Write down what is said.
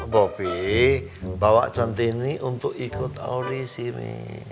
bobby bawa centini untuk ikut audisi mi